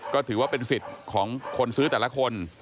ก็ถือว่าเป็นสิทธิ์ของคนซื้อแต่ละคน